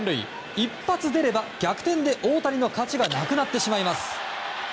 １発出れば逆転で大谷の勝ちがなくなってしまいます。